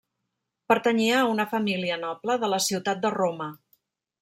Pertanyia a una família noble de la ciutat de Roma.